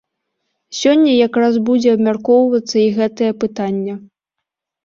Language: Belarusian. Сёння якраз будзе абмяркоўвацца і гэтае пытанне.